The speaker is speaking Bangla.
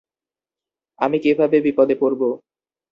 আমি কিভাবে বিপদে পড়ব?